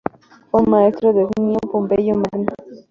Fue maestro de Cneo Pompeyo Magno.